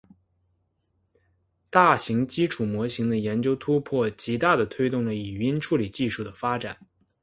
大型基础模型的研究突破，极大地推动了语音处理技术的发展。